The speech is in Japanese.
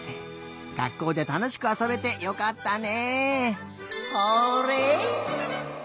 学校でたのしくあそべてよかったね！